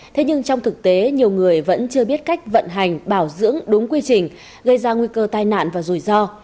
thế nhưng trong thực tế nhiều người vẫn chưa biết cách vận hành bảo dưỡng đúng quy trình gây ra nguy cơ tai nạn và rủi ro